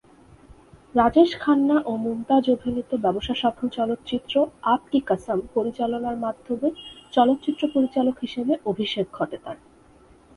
রাজেশ খান্না ও মুমতাজ অভিনীত ব্যবসাসফল চলচ্চিত্র "আপ কি কসম" পরিচালনার মাধ্যমে চলচ্চিত্র পরিচালক হিসেবে অভিষেক ঘটে তার।